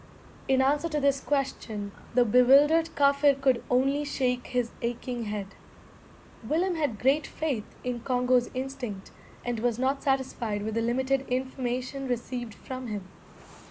In answer to this question the bewildered Kaffir could only shake his aching head. Willem had great faith in Congo's instinct, and was not satisfied with the limited information received from him.